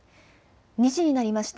２時になりました。